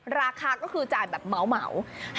ราคาก็คือจ่ายแบบเหมา